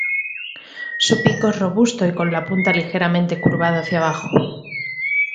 Su pico es robusto y con la punta ligeramente curvado hacia abajo.